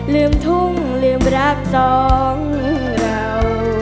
ลืมทุ่งลืมรักสองเรา